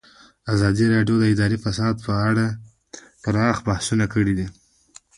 ازادي راډیو د اداري فساد په اړه پراخ بحثونه جوړ کړي.